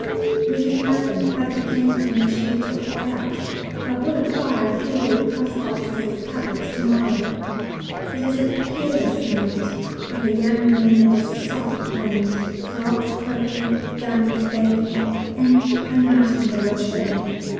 We have nothing but the camp furniture we took out, but will acquire a few Red Cross boxes as cupboards to morrow. It is a peerless night with a young moon and a soft wind, frogs croaking, guns banging, and a nightingale trilling.